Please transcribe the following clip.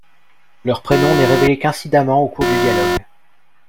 Leur prénom n'est révélé qu'incidemment au cours du dialogue.